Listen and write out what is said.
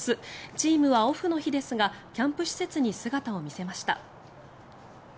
チームはオフの日ですがキャンプ施設に姿を見せました。